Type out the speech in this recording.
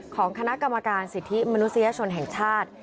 ของคณะกรรมการสิทธิมนุษยชนแห่งชาติ